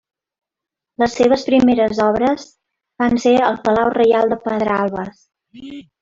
Les seves primeres obres van ser al Palau Reial de Pedralbes.